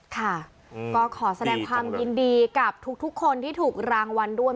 ค่ะก็ขอแสดงความยินดีกับทุกคนที่ถูกรางวัลด้วย